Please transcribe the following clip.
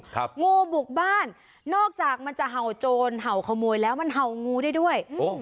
งูบุกบ้านนอกจากมันจะเห่าโจรเห่าขโมยแล้วมันเห่างูได้ด้วยโอ้